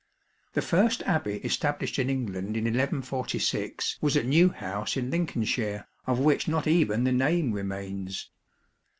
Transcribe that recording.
The first Abbey established in England in 1146 was at Newhouse in Lincolnshire, of which not even the name remains.